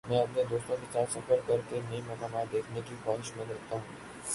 میں اپنے دوستوں کے ساتھ سفر کر کے نئی مقامات دیکھنے کی خواہش رکھتا ہوں۔